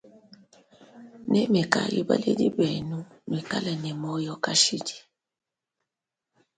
Nemekayi baledi benu nuikale ne moyo kashidi.